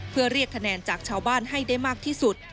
เพื่อเรียกคะแนนจากชาวบ้านให้ได้มากที่สุด